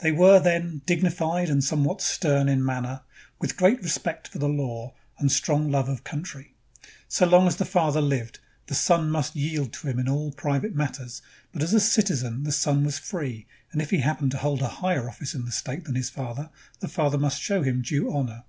They were, then, dignified and somewhat stern in man ner, with great respect for the law and strong love of country. So long as the father lived, the son must yield to him in all private matters; but as a citizen the son was free, and if he happened to hold a higher office in the state than his father, the father must show him due honor.